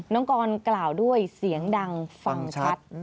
น้องกรกล่าวด้วยเสียงดังฟังชัด